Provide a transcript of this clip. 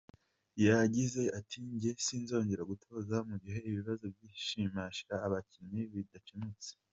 Yagize ati : "Njye sinzongera gutoza mugihe ibibazo by’imishahara y'abakinnyi bidacemutse.